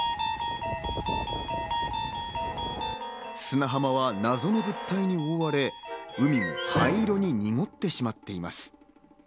砂浜は謎の物体に覆われ、海が灰色に濁ってしまっています。